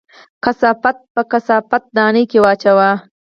کثافات په کثافت دانۍ کې واچوه